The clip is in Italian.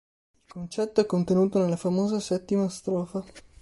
Il concetto è contenuto nella famosa settima strofa.